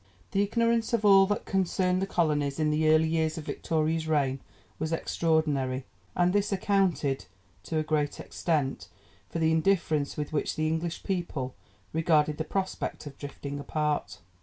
The ignorance of all that concerned the colonies in the early years of Victoria's reign was extraordinary, and this accounted, to a great extent, for the indifference with which the English people regarded the prospect of drifting apart.